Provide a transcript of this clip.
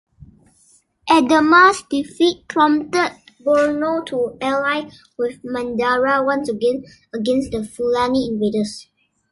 Adama's defeat prompted Borno to ally with Mandara once again against the Fulani invaders.